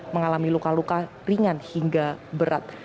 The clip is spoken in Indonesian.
mengalami luka luka ringan hingga berat